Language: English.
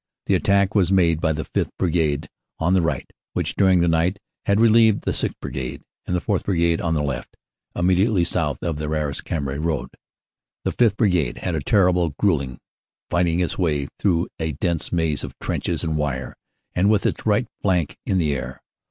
The attack was made by the Sth. Brigade on the right, which during the night had relieved the 6th. Brigade; and the 4th. Brigade on the left, immediately south of the Arras Cambrai road. The Sth. Brigade had a terrible gruelling, fighting its way through a dense maze of trenches and wire, and with its right flank in the air.